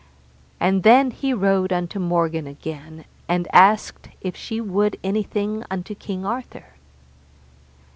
And then he rode unto Morgan again, and asked if she would anything unto King Arthur.